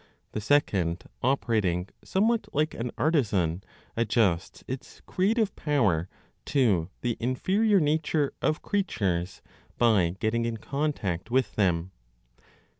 The second, operating somewhat like an artisan, adjusts its creative power to the inferior nature of creatures by getting in contact with them.